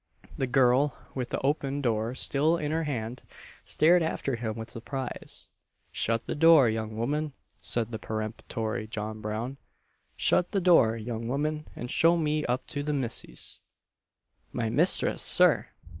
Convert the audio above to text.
The girl, with the open door still in her hand, stared after him with surprise. "Shut the door, young woman!" said the peremptory John Brown, "shut the door, young woman, and show me up to the missis." "My mistress, Sir!"